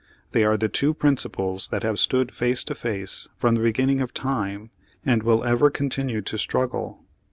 They are the two principles that have stood face to face from the beginning of time, and will ever continue to struggle.